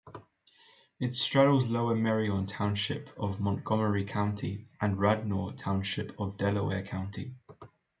It straddles Lower Merion Township of Montgomery County and Radnor Township of Delaware County.